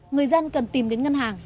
người dân cần tìm đến ngân hàng